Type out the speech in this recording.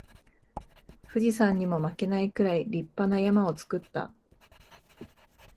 富士山にも負けないくらい立派な山を作った